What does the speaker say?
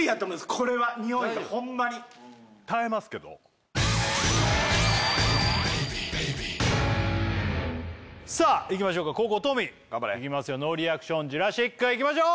これはニオイがホンマに耐えますけどさあいきましょうか後攻トミー頑張れいきますよノーリアクションジュラシックいきましょう！